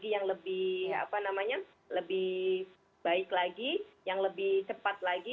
yang lebih apa namanya lebih baik lagi yang lebih cepat lagi